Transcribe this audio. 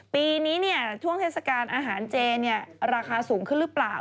ปีนี้ช่วงเทศกาลอาหารเจราคาสูงขึ้นหรือเปล่า